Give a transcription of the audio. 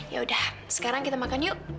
ya udah sekarang kita makan yuk